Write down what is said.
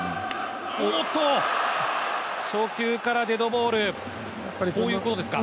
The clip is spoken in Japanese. おっと、初球からデッドボールこういうことですか？